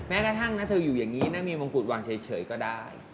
กระทั่งนะเธออยู่อย่างนี้นะมีมงกุฎวางเฉยก็ได้